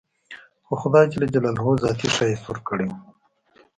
خو خداى ذاتي ښايست وركړى و.